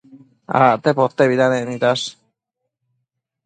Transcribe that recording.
Acte potebidanec nidash